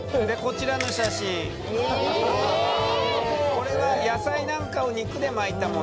これは野菜なんかを肉で巻いたもの。